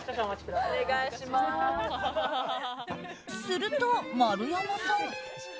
すると、丸山さん。